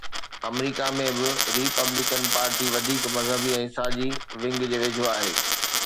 آمريڪا ۾ به Republican party وڌيڪ مذهبي ۽ ساڄي ونگ جي ويجهو آهي.